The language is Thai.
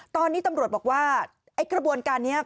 ตอนนี้ตำรวจบอกว่าไอ้กระบวนการนี้